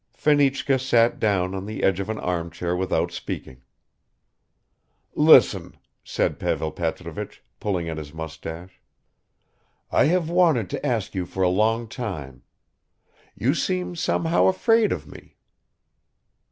Fenichka sat down on the edge of an armchair without speaking. "Listen," said Pavel Petrovich, pulling at his mustache, "I have wanted to ask you for a long time; you seem somehow afraid of me."